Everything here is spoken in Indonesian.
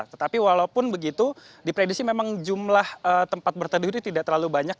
tetapi walaupun begitu diprediksi memang jumlah tempat berteduh ini tidak terlalu banyak